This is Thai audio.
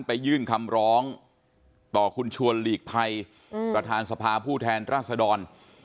ยื่นคำร้องต่อคุณชวนหลีกภัยประธานสภาผู้แทนราษดร